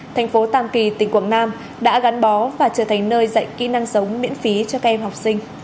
thành phố tàm kỳ tỉnh quảng nam đã gắn bó và trở thành nơi dạy kỹ năng sống miễn phí cho các em học sinh